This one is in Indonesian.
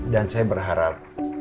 dan saya berharap